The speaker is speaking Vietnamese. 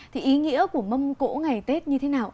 thì ý nghĩa của mâm cỗ ngày tết như thế nào